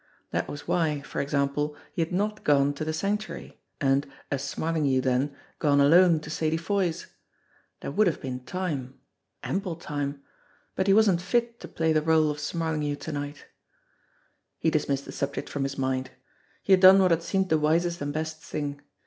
That was why, for example, he had not gone to the Sanctuary, and, as Smarling hue then, gone alone to Sadie Foy's. There would have been time ample time. But he wasn't fit to play the role of Smarlinghue to night. He dismissed the subject from his mind. He had done what had seemed the wisest and best thing.